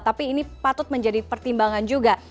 tapi ini patut menjadi pertimbangan juga